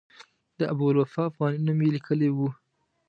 د ابوالوفاء افغاني نوم یې لیکلی و.